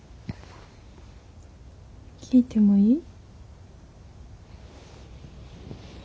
聞いてもいい？